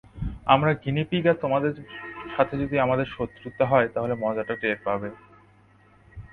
আমরা গিনিপিগ আর তোমাদের সাথে যদি আমাদের শত্রুতা হয়, তাহলে মজাটা টের পাবে।